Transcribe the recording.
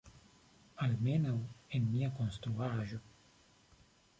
Almenaŭ, en nia konstruaĵo.